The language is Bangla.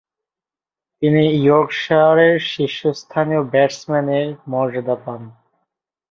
তিনি ইয়র্কশায়ারের শীর্ষস্থানীয় ব্যাটসম্যানের মর্যাদা পান।